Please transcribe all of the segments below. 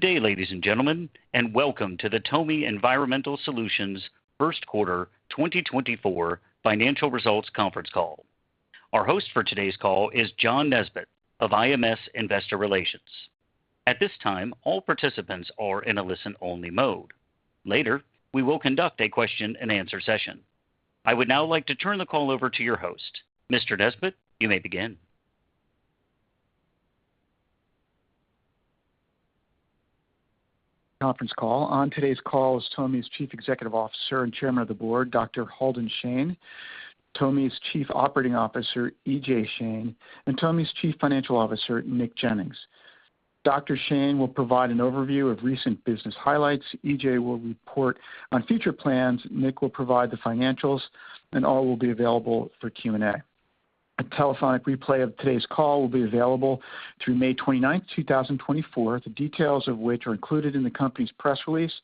Good day, ladies and gentlemen, and welcome to the TOMI Environmental Solutions First Quarter 2024 Financial Results Conference Call. Our host for today's call is John Nesbett of IMS Investor Relations. At this time, all participants are in a listen-only mode. Later, we will conduct a question-and-answer session. I would now like to turn the call over to your host. Mr. Nesbett, you may begin. Conference call. On today's call is TOMI's Chief Executive Officer and Chairman of the Board, Dr. Halden Shane, TOMI's Chief Operating Officer, E.J. Shane, and TOMI's Chief Financial Officer, Nick Jennings. Dr. Shane will provide an overview of recent business highlights. E.J. will report on future plans, Nick will provide the financials, and all will be available for Q&A. A telephonic replay of today's call will be available through May 29th, 2024. The details of which are included in the company's press release,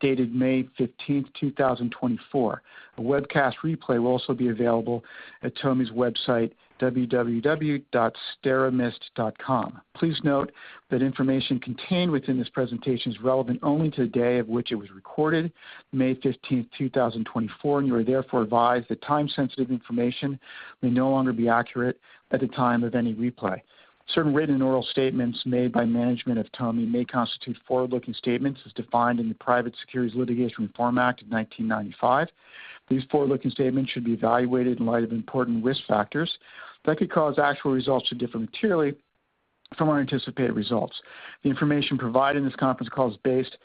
dated May 15th, 2024. A webcast replay will also be available at TOMI's website, www.steramist.com. Please note that information contained within this presentation is relevant only to the day of which it was recorded, May 15th, 2024, and you are therefore advised that time-sensitive information may no longer be accurate at the time of any replay. Certain written and oral statements made by management of TOMI may constitute forward-looking statements as defined in the Private Securities Litigation Reform Act of 1995. These forward-looking statements should be evaluated in light of important risk factors that could cause actual results to differ materially from our anticipated results. The information provided in this conference call is based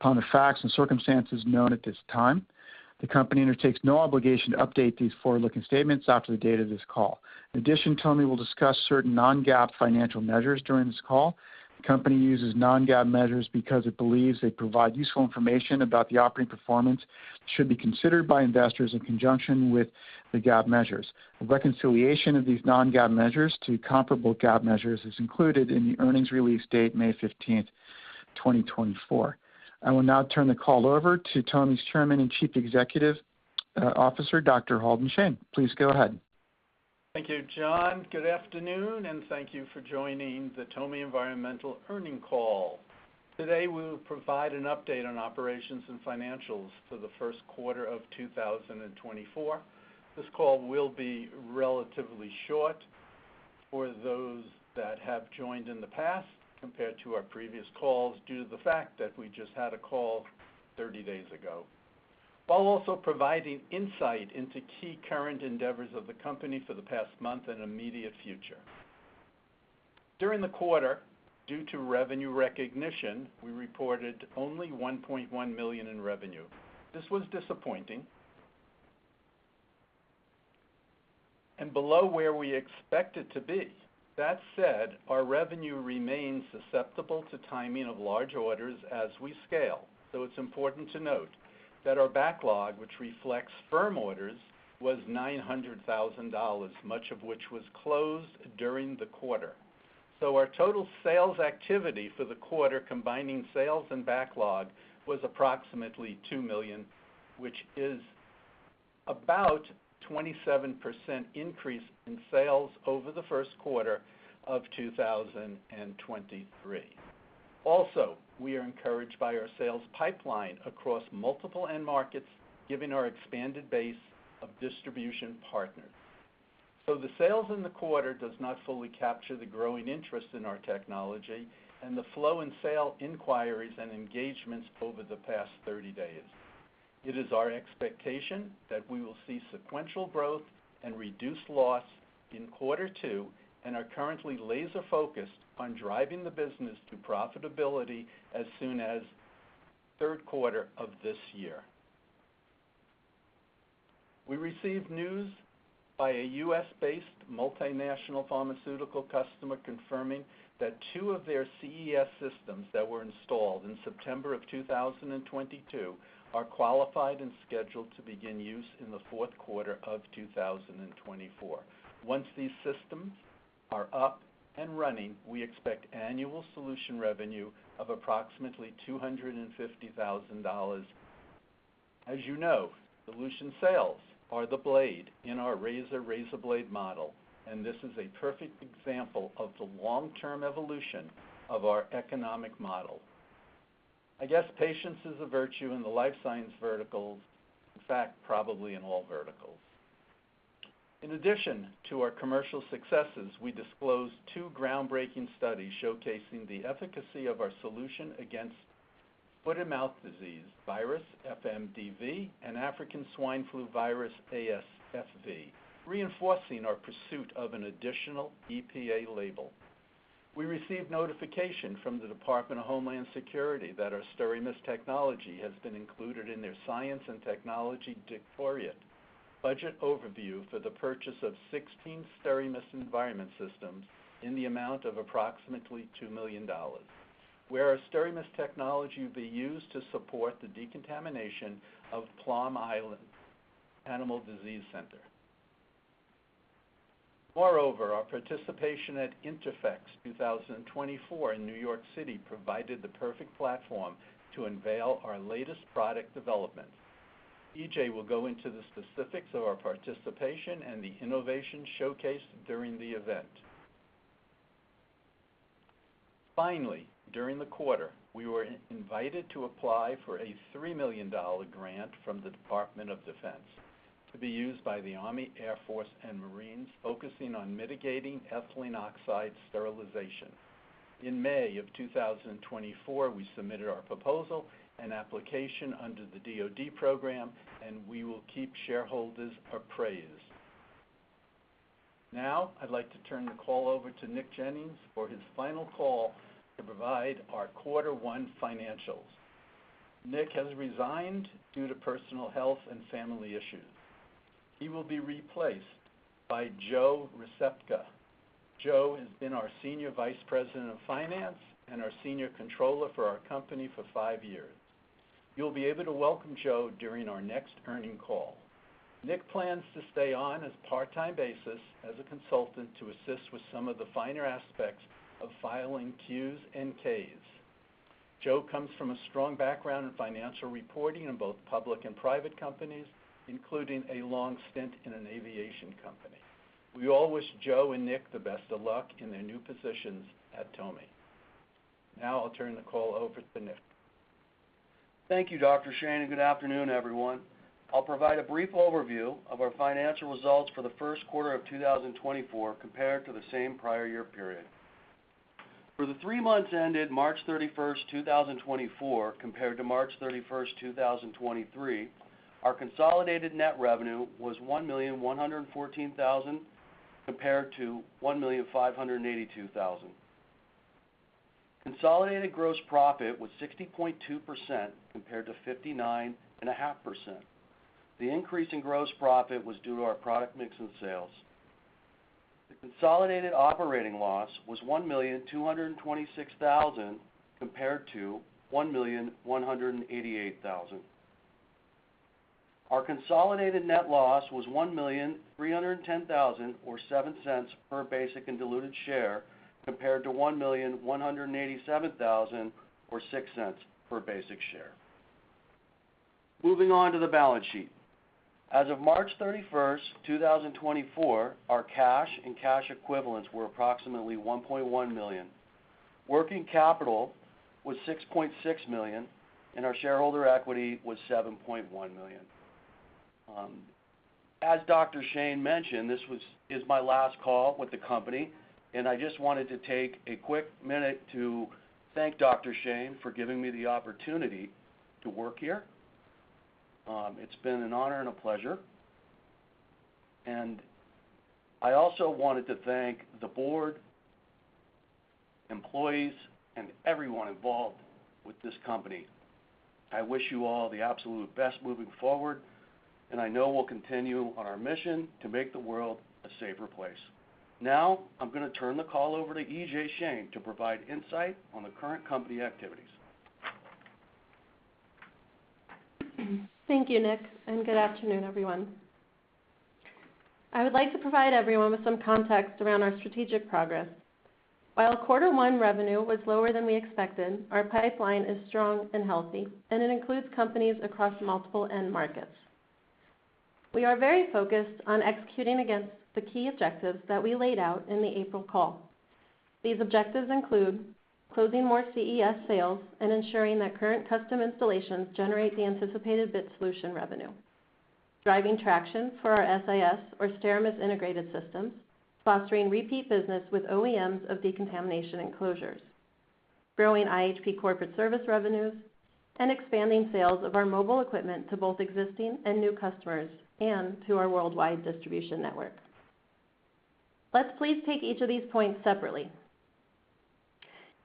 upon the facts and circumstances known at this time. The company undertakes no obligation to update these forward-looking statements after the date of this call. In addition, TOMI will discuss certain non-GAAP financial measures during this call. The company uses non-GAAP measures because it believes they provide useful information about the operating performance, should be considered by investors in conjunction with the GAAP measures. A reconciliation of these non-GAAP measures to comparable GAAP measures is included in the earnings release dated May 15, 2024. I will now turn the call over to TOMI's Chairman and Chief Executive Officer, Dr. Halden Shane. Please go ahead. Thank you, John. Good afternoon, and thank you for joining the TOMI Environmental Earnings Call. Today, we will provide an update on operations and financials for the first quarter of 2024. This call will be relatively short for those that have joined in the past compared to our previous calls, due to the fact that we just had a call thirty days ago, while also providing insight into key current endeavors of the company for the past month and immediate future. During the quarter, due to revenue recognition, we reported only $1.1 million in revenue. This was disappointing and below where we expected to be. That said, our revenue remains susceptible to timing of large orders as we scale, so it's important to note that our backlog, which reflects firm orders, was $900,000, much of which was closed during the quarter. So our total sales activity for the quarter, combining sales and backlog, was approximately $2 million, which is about 27% increase in sales over the first quarter of 2023. Also, we are encouraged by our sales pipeline across multiple end markets, giving our expanded base of distribution partners. So the sales in the quarter does not fully capture the growing interest in our technology and the flow in sale inquiries and engagements over the past 30 days. It is our expectation that we will see sequential growth and reduced loss in quarter two and are currently laser-focused on driving the business to profitability as soon as third quarter of this year. We received news by a U.S.-based multinational pharmaceutical customer, confirming that two of their CES systems that were installed in September 2022 are qualified and scheduled to begin use in the fourth quarter of 2024. Once these systems are up and running, we expect annual solution revenue of approximately $250,000. As you know, solution sales are the blade in our razor, razor blade model, and this is a perfect example of the long-term evolution of our economic model. I guess patience is a virtue in the life science verticals. In fact, probably in all verticals. In addition to our commercial successes, we disclosed two groundbreaking studies showcasing the efficacy of our solution against foot-and-mouth disease virus, FMDV, and African swine fever virus, ASFV, reinforcing our pursuit of an additional EPA label. We received notification from the Department of Homeland Security that our SteraMist technology has been included in their Science and Technology Directorate budget overview for the purchase of 16 SteraMist Environment Systems in the amount of approximately $2 million, where our SteraMist technology will be used to support the decontamination of Plum Island Animal Disease Center. Moreover, our participation at INTERPHEX 2024 in New York City provided the perfect platform to unveil our latest product developments. E.J. will go into the specifics of our participation and the innovation showcased during the event. Finally, during the quarter, we were invited to apply for a $3 million grant from the Department of Defense, to be used by the Army, Air Force, and Marines, focusing on mitigating ethylene oxide sterilization. In May of 2024, we submitted our proposal and application under the DoD program, and we will keep shareholders appraised. Now, I'd like to turn the call over to Nick Jennings for his final call to provide our Quarter One financials. Nick has resigned due to personal health and family issues. He will be replaced by Joe Rzepka. Joe has been our Senior Vice President of Finance and our Senior Controller for our company for 5 years. You'll be able to welcome Joe during our next earnings call. Nick plans to stay on as a part-time basis as a consultant to assist with some of the finer aspects of filing Qs and Ks. Joe comes from a strong background in financial reporting in both public and private companies, including a long stint in an aviation company. We all wish Joe and Nick the best of luck in their new positions at TOMI. Now I'll turn the call over to Nick. Thank you, Dr. Shane, and good afternoon, everyone. I'll provide a brief overview of our financial results for the first quarter of 2024 compared to the same prior year period. For the three months ended March 31, 2024, compared to March 31, 2023, our consolidated net revenue was $1,114,000, compared to $1,582,000. Consolidated gross profit was 60.2%, compared to 59.5%. The increase in gross profit was due to our product mix and sales. The consolidated operating loss was $1,226,000, compared to $1,188,000. Our consolidated net loss was $1.31 million, or $0.07 per basic and diluted share, compared to $1.187 million, or $0.06 per basic share. Moving on to the balance sheet. As of March 31, 2024, our cash and cash equivalents were approximately $1.1 million. Working capital was $6.6 million, and our shareholder equity was $7.1 million. As Dr. Shane mentioned, this is my last call with the company, and I just wanted to take a quick minute to thank Dr. Shane for giving me the opportunity to work here. It's been an honor and a pleasure, and I also wanted to thank the board, employees, and everyone involved with this company. I wish you all the absolute best moving forward, and I know we'll continue on our mission to make the world a safer place. Now, I'm gonna turn the call over to E.J. Shane to provide insight on the current company activities. Thank you, Nick, and good afternoon, everyone. I would like to provide everyone with some context around our strategic progress. While Quarter One revenue was lower than we expected, our pipeline is strong and healthy, and it includes companies across multiple end markets. We are very focused on executing against the key objectives that we laid out in the April call. These objectives include closing more CES sales and ensuring that current custom installations generate the anticipated BIT Solution revenue, driving traction for our SIS, or SteraMist Integrated Systems, fostering repeat business with OEMs of decontamination enclosures, growing iHP Corporate Service revenues, and expanding sales of our mobile equipment to both existing and new customers, and to our worldwide distribution network. Let's please take each of these points separately.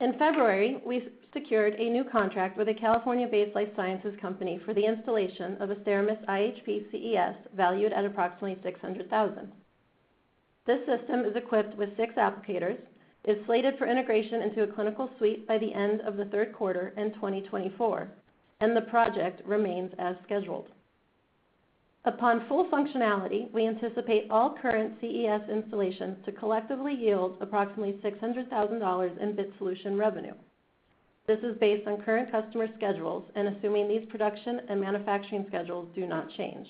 In February, we secured a new contract with a California-based life sciences company for the installation of a SteraMist iHP CES, valued at approximately $600,000. This system is equipped with six applicators, is slated for integration into a clinical suite by the end of the third quarter in 2024, and the project remains as scheduled. Upon full functionality, we anticipate all current CES installations to collectively yield approximately $600,000 in BIT Solution revenue. This is based on current customer schedules and assuming these production and manufacturing schedules do not change.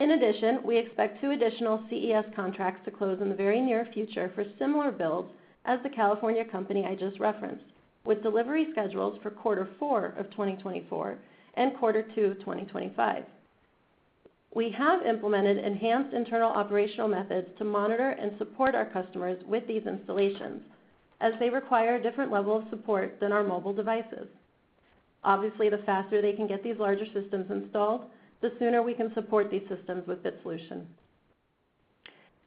In addition, we expect two additional CES contracts to close in the very near future for similar builds as the California company I just referenced, with delivery schedules for Quarter Four of 2024 and Quarter Two of 2025. We have implemented enhanced internal operational methods to monitor and support our customers with these installations, as they require a different level of support than our mobile devices. Obviously, the faster they can get these larger systems installed, the sooner we can support these systems with BIT Solution.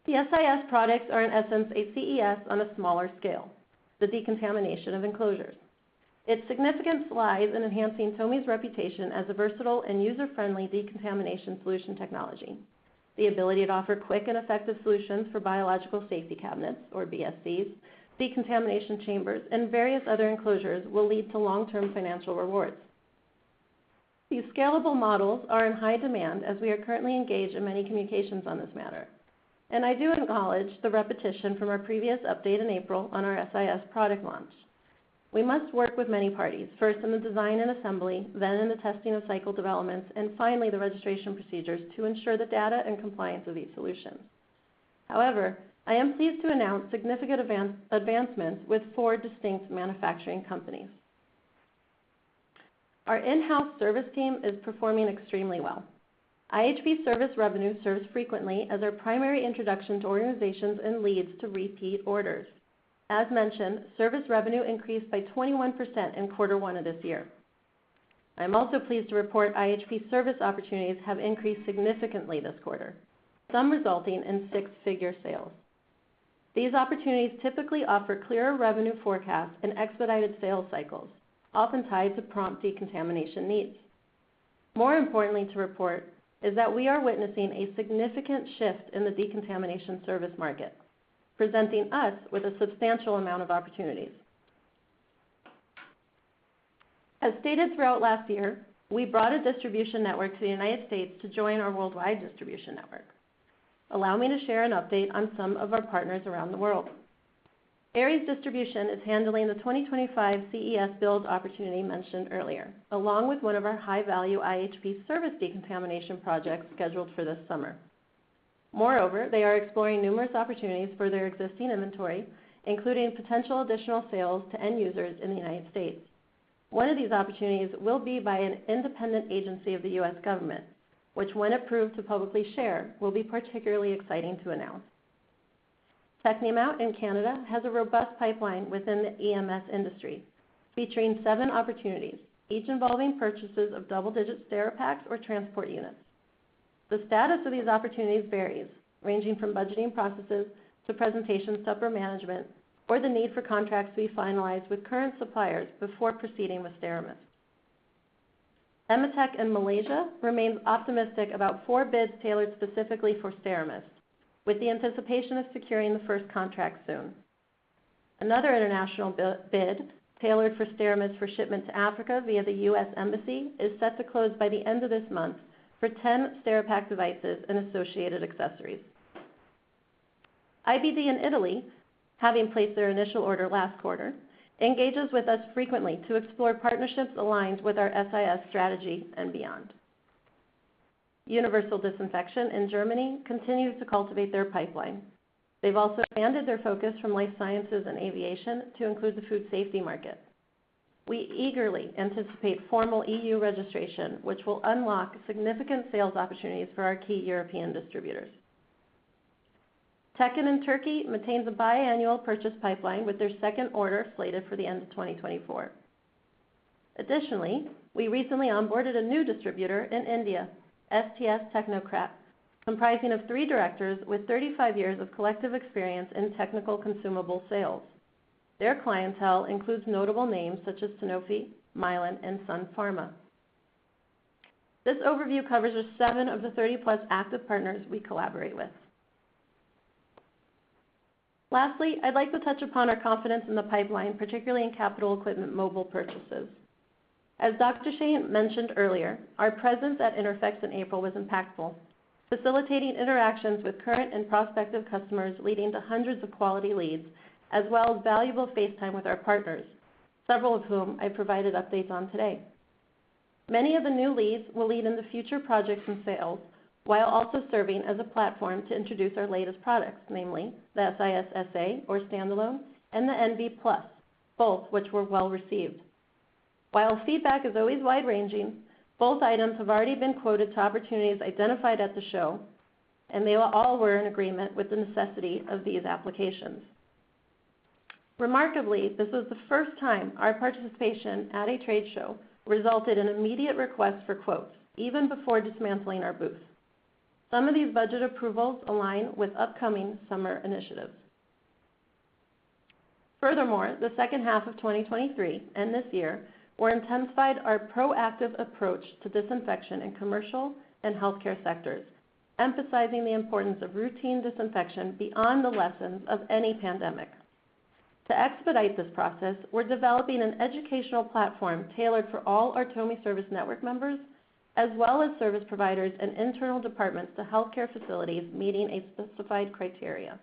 The SIS products are, in essence, a CES on a smaller scale, the decontamination of enclosures. Its significance lies in enhancing TOMI's reputation as a versatile and user-friendly decontamination solution technology. The ability to offer quick and effective solutions for biological safety cabinets, or BSCs, decontamination chambers, and various other enclosures will lead to long-term financial rewards. These scalable models are in high demand, as we are currently engaged in many communications on this matter, and I do acknowledge the repetition from our previous update in April on our SIS product launch. We must work with many parties, first in the design and assembly, then in the testing of cycle developments, and finally, the registration procedures to ensure the data and compliance of these solutions. However, I am pleased to announce significant advancements with four distinct manufacturing companies. Our in-house service team is performing extremely well. iHP service revenue serves frequently as our primary introduction to organizations and leads to repeat orders. As mentioned, service revenue increased by 21% in quarter one of this year. I'm also pleased to report iHP service opportunities have increased significantly this quarter, some resulting in six-figure sales. These opportunities typically offer clearer revenue forecasts and expedited sales cycles, often tied to prompt decontamination needs. More importantly, to report is that we are witnessing a significant shift in the decontamination service market, presenting us with a substantial amount of opportunities. As stated throughout last year, we brought a distribution network to the United States to join our worldwide distribution network. Allow me to share an update on some of our partners around the world. ARES Distribution is handling the 2025 CES build opportunity mentioned earlier, along with one of our high-value iHP service decontamination projects scheduled for this summer. Moreover, they are exploring numerous opportunities for their existing inventory, including potential additional sales to end users in the United States. One of these opportunities will be by an independent agency of the U.S. government, which, when approved to publicly share, will be particularly exciting to announce. Technimount in Canada has a robust pipeline within the EMS industry, featuring seven opportunities, each involving purchases of double-digit SteraPaks or transport units. The status of these opportunities varies, ranging from budgeting processes to presentation, upper management, or the need for contracts to be finalized with current suppliers before proceeding with SteraMist. E-MATECH in Malaysia remains optimistic about four bids tailored specifically for SteraMist, with the anticipation of securing the first contract soon. Another international bid, tailored for SteraMist for shipment to Africa via the U.S. Embassy, is set to close by the end of this month for 10 SteraPak devices and associated accessories. IBD in Italy, having placed their initial order last quarter, engages with us frequently to explore partnerships aligned with our SIS strategy and beyond. Universal Disinfection in Germany continues to cultivate their pipeline. They've also expanded their focus from life sciences and aviation to include the food safety market. We eagerly anticipate formal EU registration, which will unlock significant sales opportunities for our key European distributors. Tekin in Turkey maintains a biannual purchase pipeline, with their second order slated for the end of 2024. Additionally, we recently onboarded a new distributor in India, STS Technocrat, comprising of three directors with 35 years of collective experience in technical consumable sales. Their clientele includes notable names such as Sanofi, Mylan, and Sun Pharma. This overview covers just seven of the 30-plus active partners we collaborate with. Lastly, I'd like to touch upon our confidence in the pipeline, particularly in capital equipment mobile purchases. As Dr. Shane mentioned earlier, our presence at INTERPHEX in April was impactful, facilitating interactions with current and prospective customers, leading to hundreds of quality leads, as well as valuable face time with our partners, several of whom I provided updates on today. Many of the new leads will lead into future projects and sales, while also serving as a platform to introduce our latest products, namely the SIS SA or standalone, and the Envi+, both which were well received. While feedback is always wide-ranging, both items have already been quoted to opportunities identified at the show, and they all were in agreement with the necessity of these applications. Remarkably, this is the first time our participation at a trade show resulted in immediate requests for quotes, even before dismantling our booth. Some of these budget approvals align with upcoming summer initiatives. Furthermore, the second half of 2023 and this year, we're intensified our proactive approach to disinfection in commercial and healthcare sectors, emphasizing the importance of routine disinfection beyond the lessons of any pandemic. To expedite this process, we're developing an educational platform tailored for all our TOMI service network members, as well as service providers and internal departments to healthcare facilities meeting a specified criteria.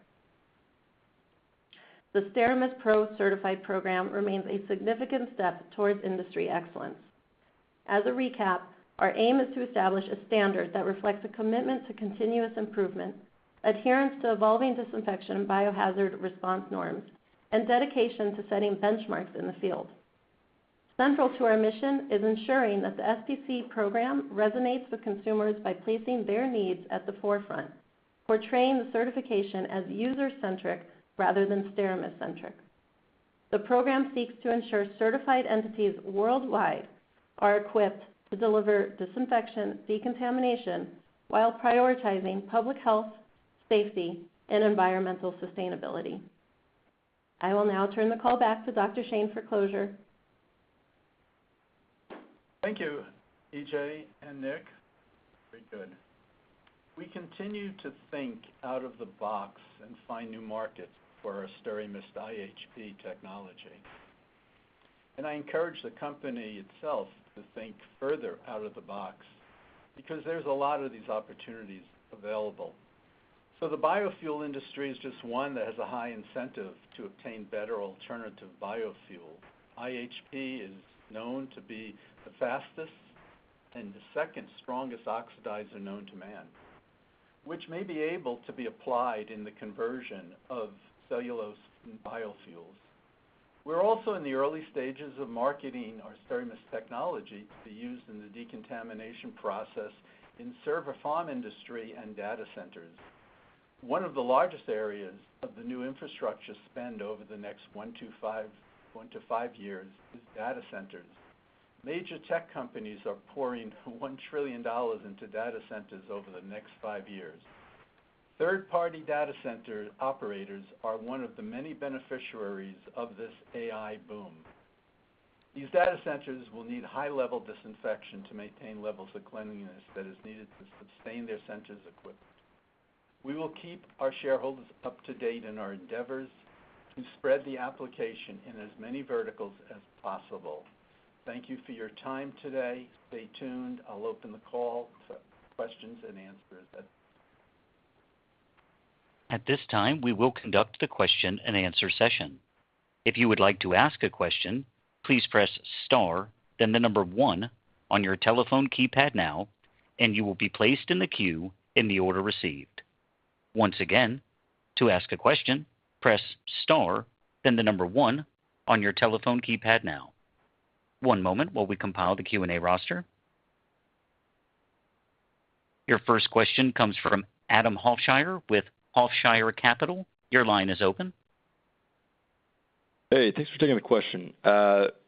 The SteraMist Pro Certified program remains a significant step towards industry excellence. As a recap, our aim is to establish a standard that reflects a commitment to continuous improvement, adherence to evolving disinfection and biohazard response norms, and dedication to setting benchmarks in the field. Central to our mission is ensuring that the SPC program resonates with consumers by placing their needs at the forefront, portraying the certification as user-centric rather than SteraMist-centric. The program seeks to ensure certified entities worldwide are equipped to deliver disinfection, decontamination, while prioritizing public health, safety, and environmental sustainability. I will now turn the call back to Dr. Shane for closure. Thank you, E.J. and Nick. Very good. We continue to think out of the box and find new markets for our SteraMist iHP technology. I encourage the company itself to think further out of the box, because there's a lot of these opportunities available. So the biofuel industry is just one that has a high incentive to obtain better alternative biofuels. iHP is known to be the fastest and the second strongest oxidizer known to man, which may be able to be applied in the conversion of cellulose and biofuels. We're also in the early stages of marketing our SteraMist technology to be used in the decontamination process in server farm industry and data centers. One of the largest areas of the new infrastructure spend over the next 1-5, 1-5 years is data centers. Major tech companies are pouring $1 trillion into data centers over the next 5 years. Third-party data center operators are one of the many beneficiaries of this AI boom. These data centers will need high-level disinfection to maintain levels of cleanliness that is needed to sustain their centers' equipment. We will keep our shareholders up to date in our endeavors to spread the application in as many verticals as possible. Thank you for your time today. Stay tuned. I'll open the call to questions and answers then. At this time, we will conduct the question-and-answer session. If you would like to ask a question, please press star, then the number one on your telephone keypad now, and you will be placed in the queue in the order received. Once again, to ask a question, press star, then the number one on your telephone keypad now. One moment while we compile the Q&A roster. Your first question comes from Adam Hoffshire with Hoffshire Capital. Your line is open. Hey, thanks for taking the question.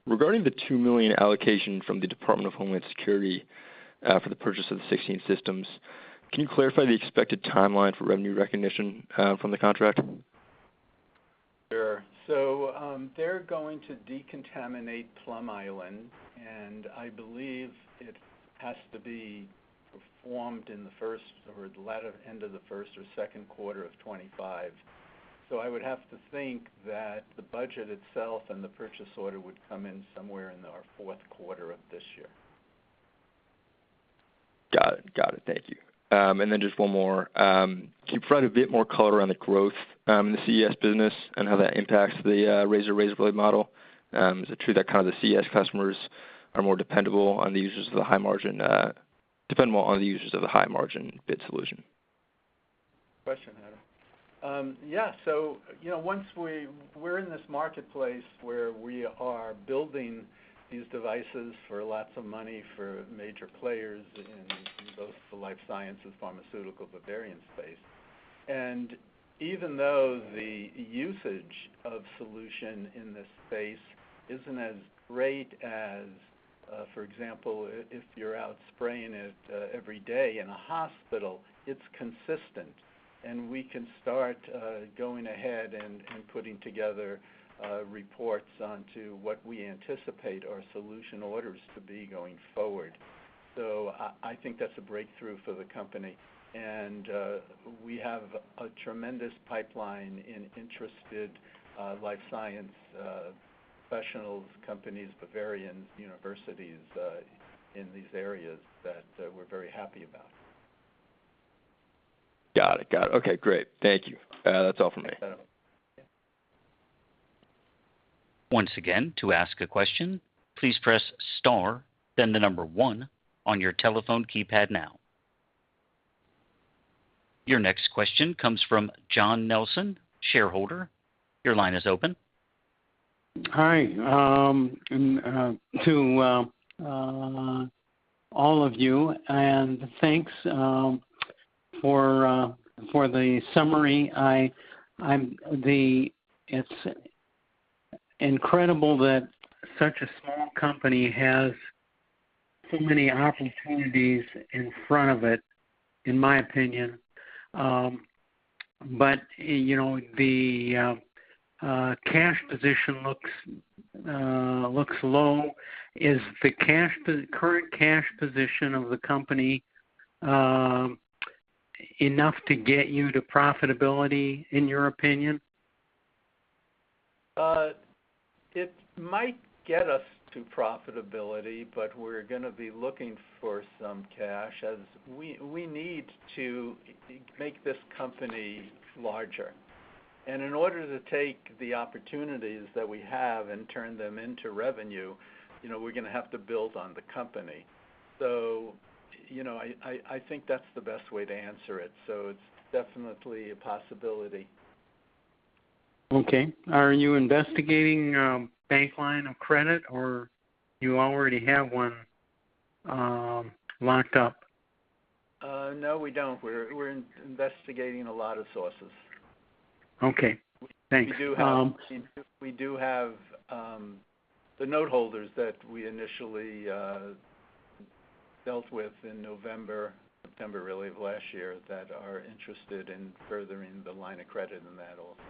Regarding the $2 million allocation from the Department of Homeland Security, for the purchase of the 16 systems, can you clarify the expected timeline for revenue recognition, from the contract? Sure. So, they're going to decontaminate Plum Island, and I believe it has to be performed in the first or the latter end of the first or second quarter of 2025. I would have to think that the budget itself and the purchase order would come in somewhere in our fourth quarter of this year. Got it. Got it. Thank you. And then just one more. Can you provide a bit more color on the growth in the CES business and how that impacts the razor-blade model? Is it true that kind of the CES customers are more dependable on the users of the high-margin BIT solution? Question, Adam. Yeah, so, you know, once we're in this marketplace where we are building these devices for lots of money for major players in both the life science and pharmaceutical space. And even though the usage of solution in this space isn't as great as, for example, if you're out spraying it every day in a hospital, it's consistent. And we can start going ahead and putting together reports onto what we anticipate our solution orders to be going forward. So I think that's a breakthrough for the company, and we have a tremendous pipeline of interested life science professionals, companies, pharmas, universities in these areas that we're very happy about. Got it. Got it. Okay, great. Thank you. That's all for me. Yeah. Once again, to ask a question, please press star, then 1 on your telephone keypad now. Your next question comes from John Nelson, shareholder. Your line is open. Hi, and to all of you, and thanks for the summary. It's incredible that such a small company has so many opportunities in front of it, in my opinion. But, you know, the cash position looks low. Is the current cash position of the company enough to get you to profitability, in your opinion? It might get us to profitability, but we're gonna be looking for some cash as we need to make this company larger. And in order to take the opportunities that we have and turn them into revenue, you know, we're gonna have to build on the company. So, you know, I think that's the best way to answer it, so it's definitely a possibility. Okay. Are you investigating bank line of credit, or you already have one locked up? No, we don't. We're investigating a lot of sources. Okay, thanks. We do have the note holders that we initially dealt with in November, September, really, of last year, that are interested in furthering the line of credit in that also.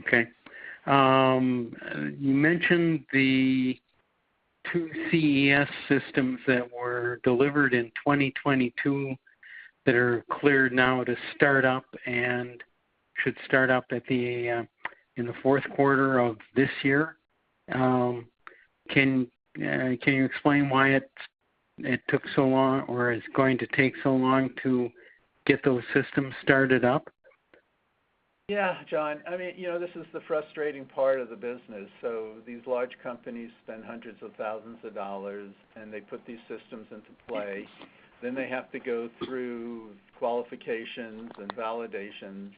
Okay. You mentioned the two CES systems that were delivered in 2022, that are cleared now to start up and should start up in the fourth quarter of this year. Can you explain why it took so long or is going to take so long to get those systems started up? Yeah, John. I mean, you know, this is the frustrating part of the business. These large companies spend hundreds of thousands of dollars, and they put these systems into play. They have to go through qualifications and validations,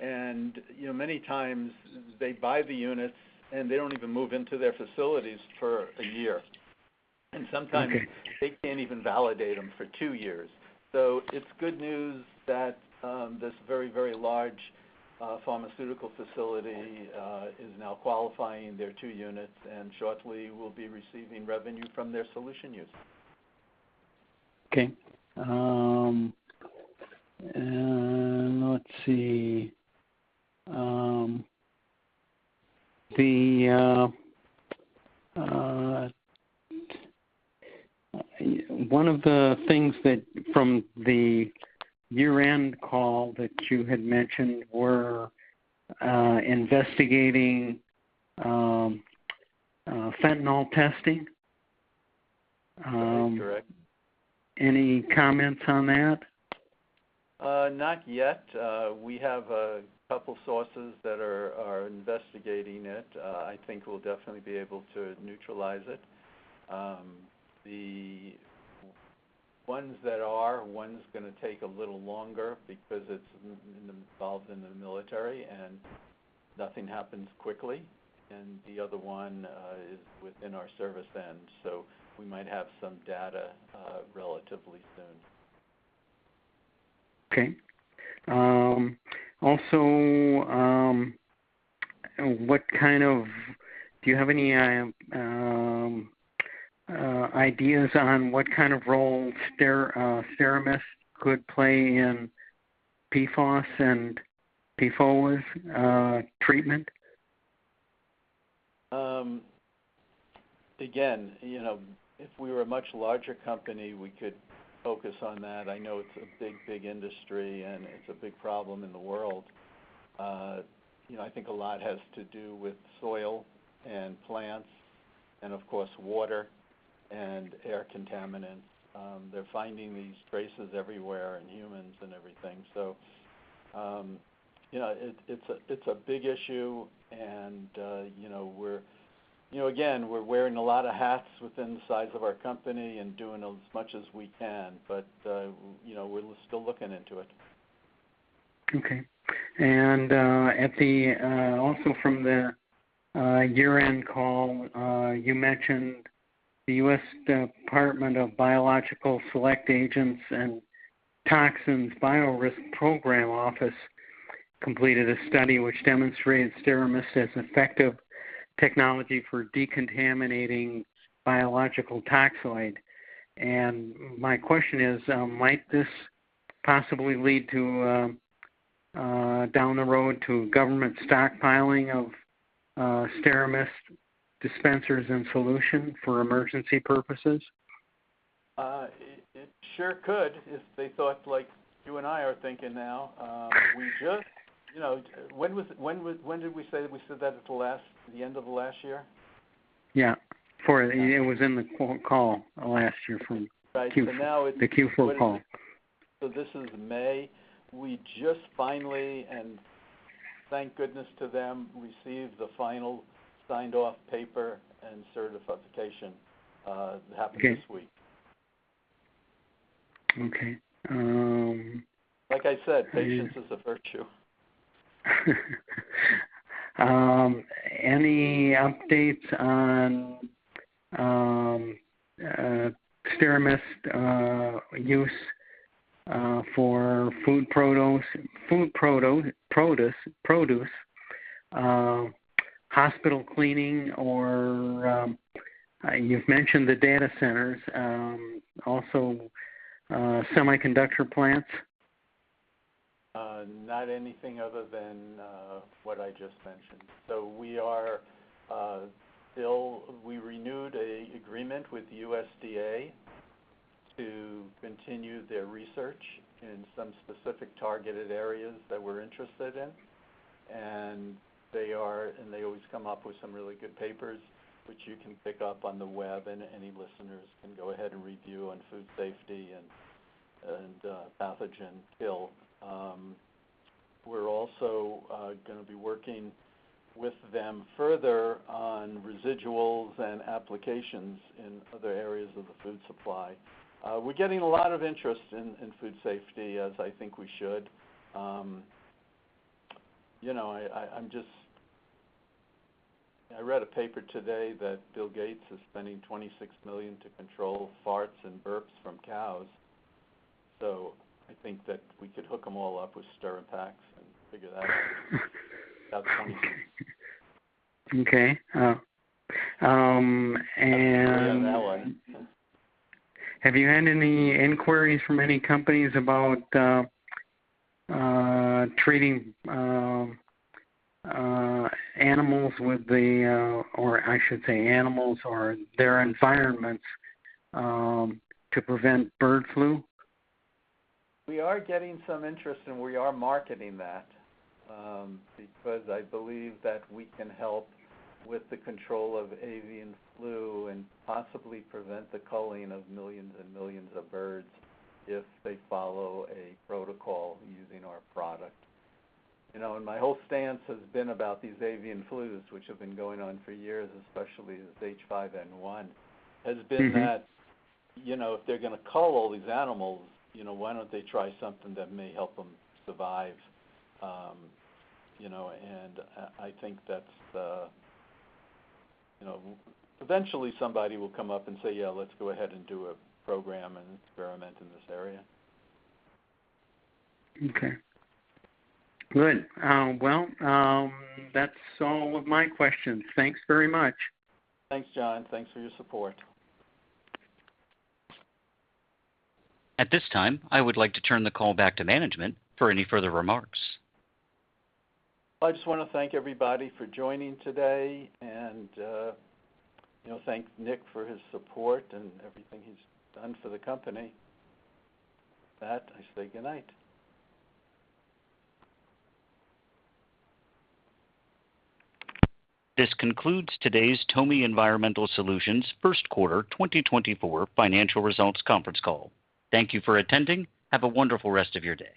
and, you know, many times they buy the units, and they don't even move into their facilities for a year. Sometimes they can't even validate them for 2 years. It's good news that this very, very large pharmaceutical facility is now qualifying their 2 units and shortly will be receiving revenue from their solution use. Okay. And let's see. The one of the things that from the year-end call that you had mentioned were investigating fentanyl testing. That is correct. Any comments on that? Not yet. We have a couple sources that are investigating it. I think we'll definitely be able to neutralize it. The ones that are, one's gonna take a little longer because it's involved in the military, and nothing happens quickly, and the other one is within our service end, so we might have some data relatively soon. Okay. Also, do you have any ideas on what kind of role SteraMist could play in PFAS/PFOA treatment? Again, you know, if we were a much larger company, we could focus on that. I know it's a big, big industry, and it's a big problem in the world. You know, I think a lot has to do with soil and plants and, of course, water and air contaminants. They're finding these traces everywhere in humans and everything. So, you know, it's a big issue, and, you know, we're. You know, again, we're wearing a lot of hats within the size of our company and doing as much as we can, but, you know, we're still looking into it. Okay. Also from the year-end call, you mentioned the U.S. Department of Biological Select Agents and Toxins Biorisk Program Office completed a study which demonstrated SteraMist as an effective technology for decontaminating biological toxoid. And my question is, might this possibly lead to down the road to government stockpiling of SteraMist dispensers and solution for emergency purposes? It sure could, if they thought like you and I are thinking now. We just, you know, when did we say we said that, at the end of last year? Yeah. For it was in the call last year from- Right. So now it's- The Q4 call. So this is May. We just finally, and thank goodness to them, received the final signed-off paper and certification. It happened this week. Okay. Um- Like I said, patience is a virtue. Any updates on SteraMist use for food produce, produce, hospital cleaning, or, you've mentioned the data centers, also, semiconductor plants? Not anything other than what I just mentioned. So we are still, we renewed a agreement with the USDA to continue their research in some specific targeted areas that we're interested in, and they are, and they always come up with some really good papers, which you can pick up on the web, and any listeners can go ahead and review on food safety and, and pathogen kill. We're also gonna be working with them further on residuals and applications in other areas of the food supply. We're getting a lot of interest in food safety, as I think we should. You know, I'm just... I read a paper today that Bill Gates is spending $26 million to control farts and burps from cows, so I think that we could hook them all up with SteraPaks and figure that out. That's funny. Okay. On that one. Have you had any inquiries from any companies about treating animals with the, or I should say, animals or their environments, to prevent bird flu? We are getting some interest, and we are marketing that, because I believe that we can help with the control of avian flu and possibly prevent the culling of millions and millions of birds if they follow a protocol using our product. You know, and my whole stance has been about these avian flus, which have been going on for years, especially this H5N1- Mm-hmm. Has been that, you know, if they're gonna cull all these animals, you know, why don't they try something that may help them survive? You know, and I think that's the... You know, eventually somebody will come up and say, "Yeah, let's go ahead and do a program and experiment in this area. Okay, good. Well, that's all of my questions. Thanks very much. Thanks, John. Thanks for your support. At this time, I would like to turn the call back to management for any further remarks. I just want to thank everybody for joining today and, you know, thank Nick for his support and everything he's done for the company. With that, I say good night. This concludes today's TOMI Environmental Solutions First Quarter 2024 Financial Results Conference Call. Thank you for attending. Have a wonderful rest of your day.